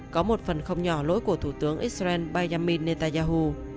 có một phần không nhỏ lỗi của thủ tướng israel benjamin netanyahu